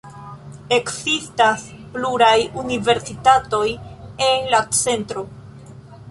Ekzistas pluraj universitatoj en la centro.